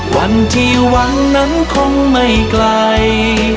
วันที่หวังนั้นคงไม่ไกล